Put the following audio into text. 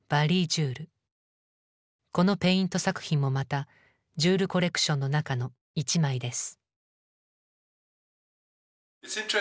このペイント作品もまたジュール・コレクションの中の一枚です。